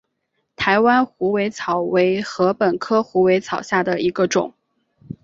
台湾虎尾草为禾本科虎尾草下的一个种。